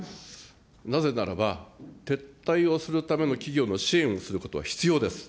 なぜならば、撤退をするための企業の支援をすることは必要です。